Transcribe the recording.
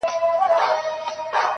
• جدايي وخوړم لاليه، ستا خبر نه راځي.